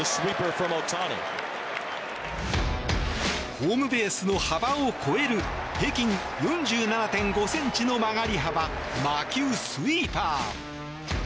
ホームベースの幅を超える平均４７．５ｃｍの曲がり幅魔球スイーパー。